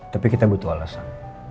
tapi kita butuh alasan